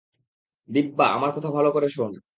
দিব্যা, আমার কথা ভালো করে শোন।